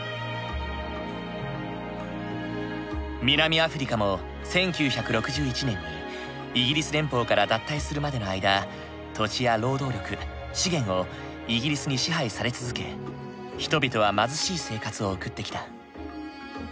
南アフリカも１９６１年にイギリス連邦から脱退するまでの間土地や労働力資源をイギリスに支配され続け人々は貧しい生活を送ってきた。